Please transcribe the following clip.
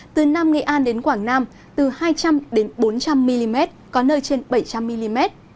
từ nam nghệ an đến quảng nam từ hai trăm linh bốn trăm linh mm có nơi trên bảy trăm linh mm